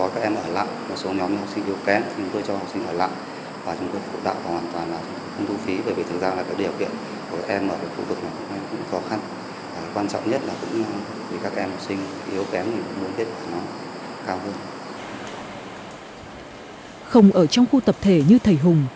không ở trong khu tập thể như thầy hùng